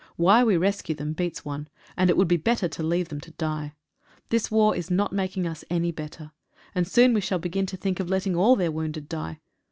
Why we rescue them beats one, and it would be better to leave them to die. This war is not making us any better, and soon we shall begin to think of letting all their wounded die.